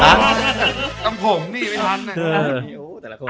ตำผมนี่ไม่ทัน